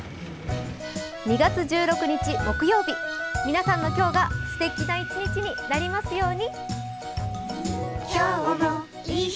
２月１６日木曜日皆さんの今日がすてきな一日になりますように。